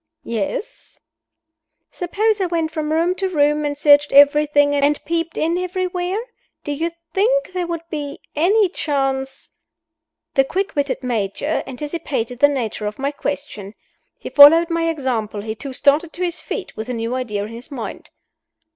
"Yes?" "Suppose I went from room to room, and searched everything, and peeped in everywhere? Do you think there would be any chance " The quick witted Major anticipated the nature of my question. He followed my example; he too started to his feet, with a new idea in his mind.